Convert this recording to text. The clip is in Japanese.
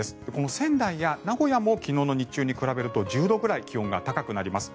仙台や名古屋も昨日の日中に比べると１０度ぐらい気温が高くなります。